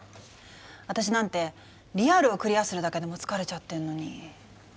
私なんてリアルをクリアするだけでも疲れちゃってんのに。